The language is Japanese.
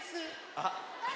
あっ。